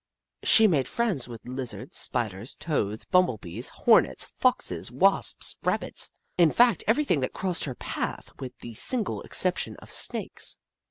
She made friends with Lizards, Spiders, Toads, Bumblebees, Hornets, Foxes, Wasps, Rabbits, — in fact everything that crossed her path, with the single exception of Snakes.